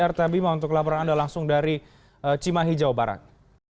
terima kasih juga untuk laporan anda langsung dari cimahi jawa barat